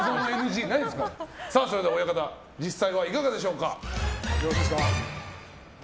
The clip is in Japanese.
それでは親方実際はいかがでしょうか。